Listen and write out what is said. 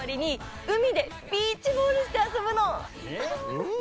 うん。